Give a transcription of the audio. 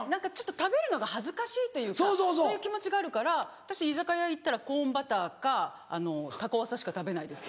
食べるのが恥ずかしいというかそういう気持ちがあるから私居酒屋行ったらコーンバターかたこわさしか食べないです。